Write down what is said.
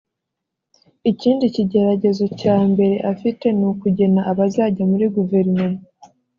Ikindi kigeragezo cya mbere afite ni ukugena abazajya muri Guverinoma